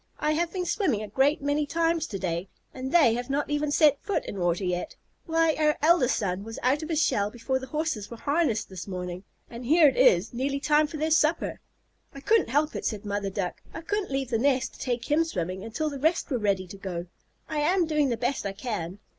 I have been swimming a great many times to day, and they have not even set foot in water yet. Why, our eldest son was out of his shell before the Horses were harnessed this morning, and here it is nearly time for their supper." "I couldn't help it," said the mother Duck. "I couldn't leave the nest to take him swimming until the rest were ready to go. I am doing the best I can."